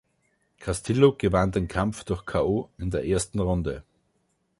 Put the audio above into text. Castillo gewann den Kampf durch K.o. in der ersten Runde.